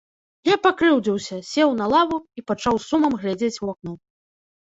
Я пакрыўдзіўся, сеў на лаву і пачаў з сумам глядзець у акно.